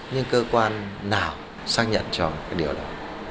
nhưng cơ quan nào xác nhận cho điều đó